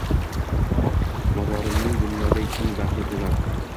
Mozorimning dunyoday keng bag’ri to’lar